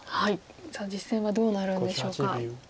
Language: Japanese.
さあ実戦はどうなるんでしょうか。